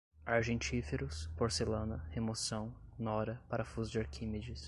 argentíferos, porcelana, remoção, nora, parafuso de Arquimedes